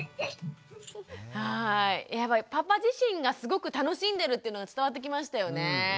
パパ自身がすごく楽しんでるっていうのが伝わってきましたよね。